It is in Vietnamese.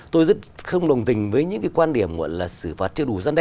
tôi rất không đồng tình với những cái quan điểm là xử phạt chưa đủ dân đe